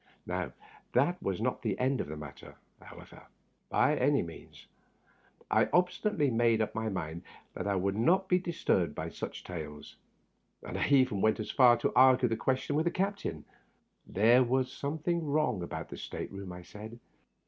That was not the end of the matter, however, by any means. I obstinately made up my mind that I would not be disturbed by such tales, and I even went so far as to argue the question with the captain. There was something wrong about the state room, I said.